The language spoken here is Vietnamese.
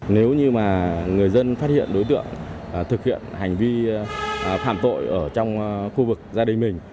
nếu như mà người dân phát hiện đối tượng thực hiện hành vi phạm tội ở trong khu vực gia đình mình